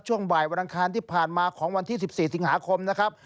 ช่วงบ่ายวันอังคารที่ผ่านมาของวันที่๑๔สิงหาคมนะครับ